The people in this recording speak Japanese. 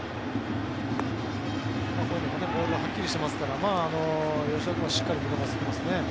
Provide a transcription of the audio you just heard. こういうのもボールがはっきりしてますから吉田君はしっかり見逃してますね。